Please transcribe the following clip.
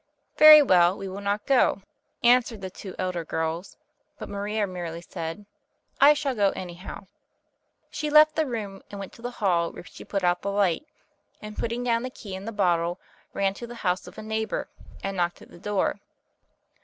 "Very well, we will not go," answered the two elder girls; but Maria merely said, "I shall go, anyhow." She left the room, and went to the hall where she put out the light, and putting down the key and the bottle, ran to the house of a neighbour, and knocked at the door.